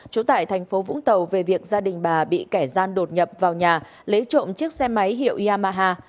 chủ tại tp vũng tàu về việc gia đình bà bị kẻ gian đột nhập vào nhà lấy trộm chiếc xe máy hiệu yamaha